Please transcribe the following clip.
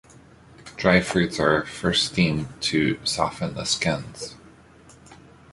Dry fruits are first steamed to soften the skins.